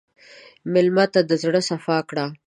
مېلمه ته د زړه صفا کړه.